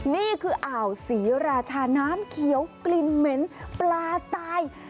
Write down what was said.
นี่คืออ่าวศรีราชาน้ำเขียวกลิ่นเหม็นปลาตาย